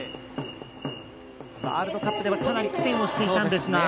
ワールドカップではかなり苦戦していたんですが。